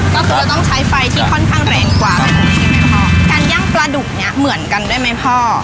ก็คือเราต้องใช้ไฟที่ค่อนข้างแรงกว่าแบบนี้ใช่ไหมพ่อการย่างปลาดุกเนี้ยเหมือนกันด้วยไหมพ่อ